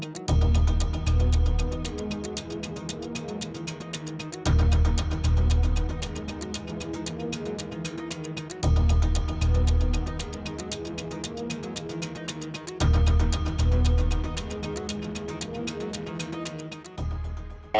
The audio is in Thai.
ตามกล้องตามรูปภาพวิดีโอที่อยู่ในกล้องครับผม